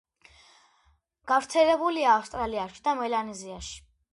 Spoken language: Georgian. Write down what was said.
გავრცელებულია ავსტრალიაში და მელანეზიაში.